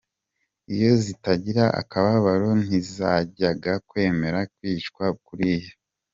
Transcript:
Iyo zitagira akababaro ntizajyaga kwemera kwicwa kuriya.